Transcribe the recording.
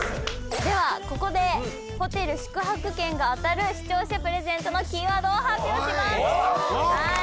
ではここでホテル宿泊券が当たる視聴者プレゼントのキーワードを発表します。